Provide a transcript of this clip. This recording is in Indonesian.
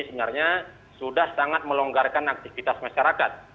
sebenarnya sudah sangat melonggarkan aktivitas masyarakat